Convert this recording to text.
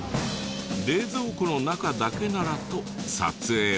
冷蔵庫の中だけならと撮影オーケー。